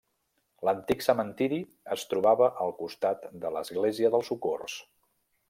L'antic cementiri es trobava al costat de l'església del Socors.